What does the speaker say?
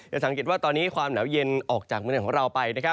สังเกตว่าตอนนี้ความหนาวเย็นออกจากเมืองของเราไป